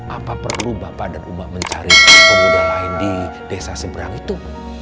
apa perlu bapak dan uma mencari pemuda lain di desa seberang itu